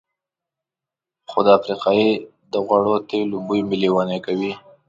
خو د افریقایي د غوړو تېلو بوی مې لېونی کوي.